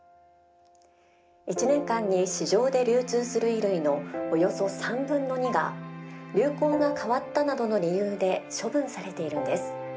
１年間に市場で流通する衣類のおよそ３分の２が流行が変わったなどの理由で処分されているんです。